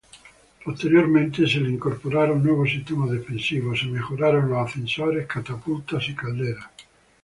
Posteriormente se le incorporaron nuevos sistemas defensivos, se mejoraron los ascensores, catapultas y calderas.